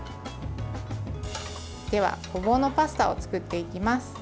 では、ごぼうのパスタを作っていきます。